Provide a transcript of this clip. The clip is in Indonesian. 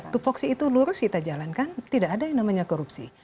tupoksi itu lurus kita jalankan tidak ada yang namanya korupsi